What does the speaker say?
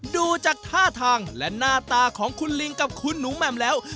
ดูจากท่าทางและหน้าตาของคุณลิงกับคุณหนูแหม่มแล้ว